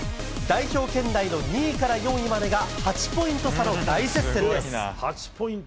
代表圏内の２位から４位までが、８ポイント差の大接戦です。